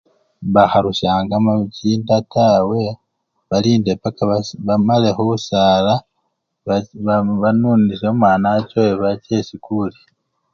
Bakharusyangamo chinda tawe balinde paka basa! bamale khusala bache! banunisye omwana achowe nebache esikuli.